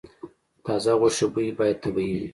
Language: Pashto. د تازه غوښې بوی باید طبیعي وي.